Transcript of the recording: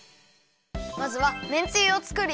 まずはめんつゆを作るよ。